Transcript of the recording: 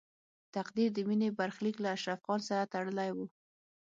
تقدیر د مینې برخلیک له اشرف خان سره تړلی و